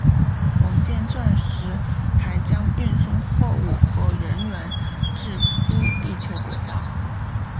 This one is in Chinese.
王剑钻石还将运送货物和人员至低地球轨道。